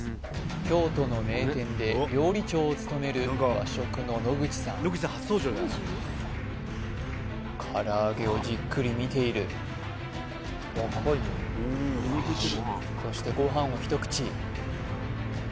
京都の名店で料理長を務める和食の野口さん唐揚げをじっくり見ているそしてご飯を一口